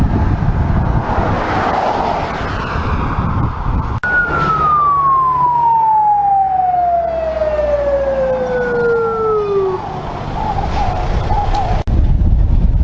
เมื่อเวลาอันดับสุดท้ายมันกลายเป็นภูมิที่สุดท้าย